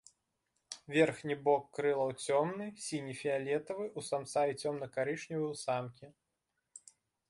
Верхні бок крылаў цёмны, сіне-фіялетавы ў самца і цёмна-карычневы ў самкі.